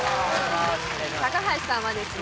高橋さんはですね